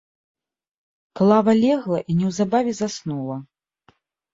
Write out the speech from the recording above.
Клава легла і неўзабаве заснула.